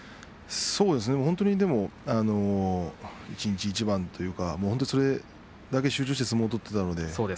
本当に一日一番というかそれだけ集中して相撲を取っていたので。